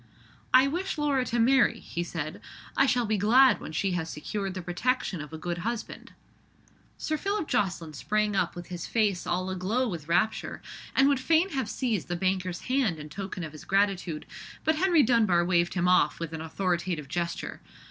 "I wish Laura to marry," he said; "I shall be glad when she has secured the protection of a good husband." Sir Phillip Jocelyn sprang up with his face all a glow with rapture, and would fain have seized the banker's hand in token of his gratitude; but Henry Dunbar waved him off with an authoritative gesture.